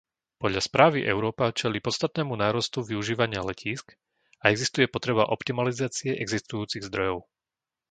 Podľa správy Európa čelí podstatnému nárastu využívania letísk a existuje potreba optimalizácie existujúcich zdrojov.